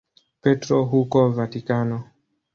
Petro huko Vatikano.